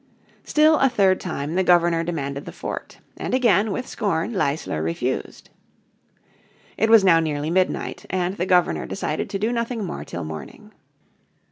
Still a third time the Governor demanded the fort. And again with scorn Leisler refused. It was now nearly midnight, and the Governor decided to do nothing more till morning.